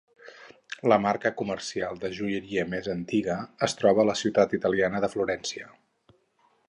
La marca comercial de joieria més antiga es troba a la ciutat italiana de Florència.